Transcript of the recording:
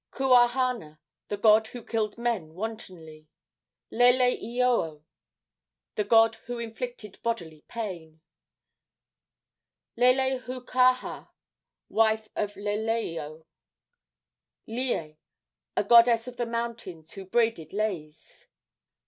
Kuahana, the god who killed men wantonly. Leleioio, the god who inflicted bodily pain. Lelehookaahaa, wife of Leleioio. Lie, a goddess of the mountains, who braided leis.